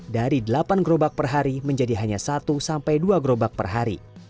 dari delapan gerobak per hari menjadi hanya satu sampai dua gerobak per hari